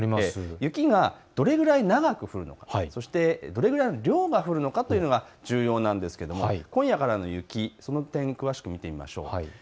雪がどれくらい長く降るのか、そしてどれくらい量が降るのかというのが重要なんですけれども今夜からの雪、その点を詳しく見ていきましょう。